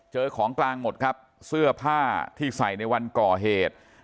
ของกลางหมดครับเสื้อผ้าที่ใส่ในวันก่อเหตุ